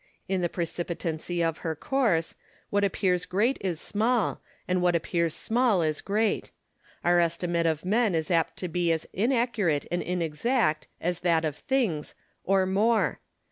In the precipitancy of her course, what appears great is small, and what appears small is great. Our estimate of men is apt to be as inaccurate and inexact as that of things, or more.